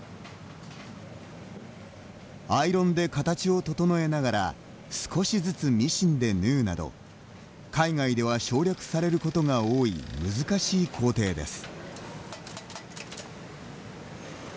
アイロンで形を整えながら少しずつミシンで縫うなど海外では省略されることが多い難しい工程です。